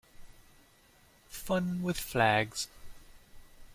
Fun with flags.